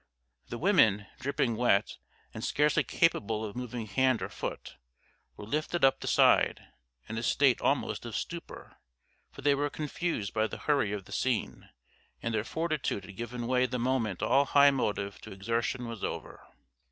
The women, dripping wet, and scarcely capable of moving hand or foot, were lifted up the side, in a state almost of stupor; for they were confused by the hurry of the scene, and their fortitude had given way the moment all high motive to exertion was over.